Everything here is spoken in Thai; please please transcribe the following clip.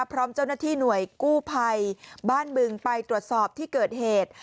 พร้อมเจ้าหน้าที่หน่วยกู้ภัยบ้านบึงไปตรวจสอบที่เกิดเหตุ